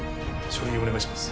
書類をお願いします。